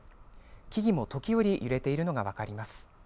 木々も時折揺れているのが分かります。